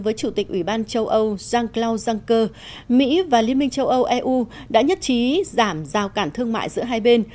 với chủ tịch ủy ban châu âu jean clau juncker mỹ và liên minh châu âu eu đã nhất trí giảm giao cản thương mại giữa hai bên